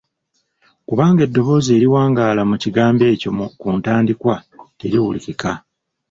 Kubanga eddoboozi eriwangaala mu kigambo ekyo ku ntandikwa teriwulikika.